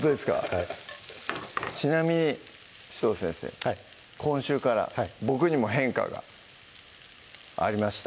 はいちなみに紫藤先生はい今週から僕にも変化がありました